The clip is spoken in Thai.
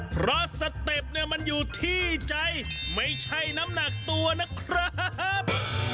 เพราะสเต็ปเนี่ยมันอยู่ที่ใจไม่ใช่น้ำหนักตัวนะครับ